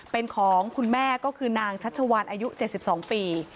เป็นของคุณแม่ก็คือนางชัชวานอายุ๗๒ปี